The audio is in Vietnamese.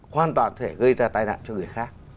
hoàn toàn thể gây ra tai nạn cho người khác